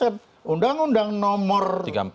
sudah direset undang undang nomor